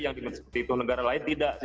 yang seperti itu negara lain tidak